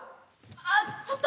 ああちょっと。